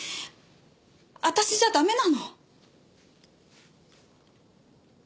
私じゃダメなの？